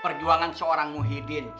perjuangan seorang muhyiddin